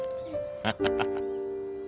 ハハハハ。